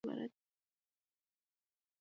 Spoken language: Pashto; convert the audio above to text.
تقنیني اسناد له قانون څخه عبارت دي.